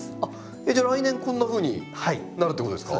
じゃあ来年こんなふうになるってことですか？